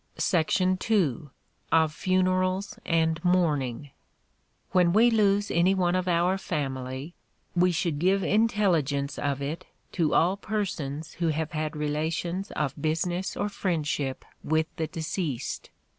SECTION II. Of Funerals and Mourning. When we lose any one of our family, we should give intelligence of it to all persons who have had relations of business or friendship with the deceased.